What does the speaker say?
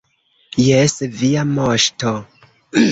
Jes, Via Moŝto.